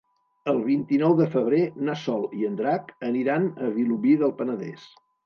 El vint-i-nou de febrer na Sol i en Drac aniran a Vilobí del Penedès.